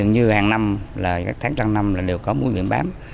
như hàng năm các tháng trăng năm là đều có mũi biển bám